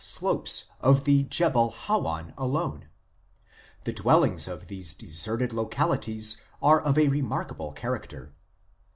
slopes of the Jebel Hawan alone. The dwellings of these deserted localities are of a remarkable character.